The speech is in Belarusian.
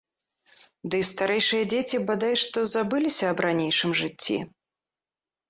Ды старэйшыя дзеці бадай што забыліся аб ранейшым жыцці.